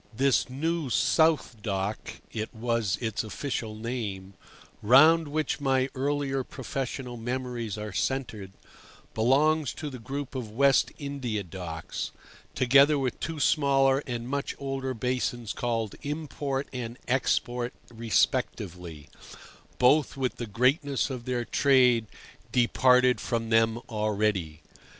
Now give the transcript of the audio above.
This New South Dock (it was its official name), round which my earlier professional memories are centred, belongs to the group of West India Docks, together with two smaller and much older basins called Import and Export respectively, both with the greatness of their trade departed from them already.